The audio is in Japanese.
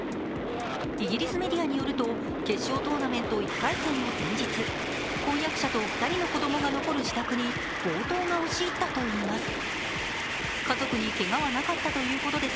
イギリスメディアによると決勝トーナメント１回戦の前日、婚約者と２人の子供が残る自宅に強盗が押し入ったといいます。